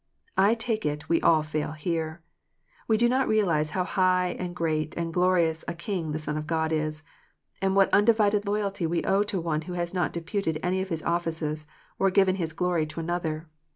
I take it we all fail here. We do not realize how high and great and glorious a King the Son of God is, and what undivided loyalty we owe to One who has not deputed any of His offices, or given His glory to another.